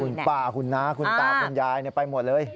คุณป้าคุณน้าคุณตาคุณยายไปหมดเลย